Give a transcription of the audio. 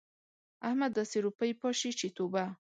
احمد داسې روپۍ پاشي چې توبه!